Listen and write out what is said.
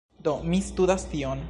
Do, mi studas tion